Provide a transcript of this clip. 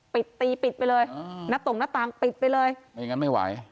ปิดตีปิดไปเลยหน้าตรงหน้าต่างปิดไปเลยไม่งั้นไม่ไหว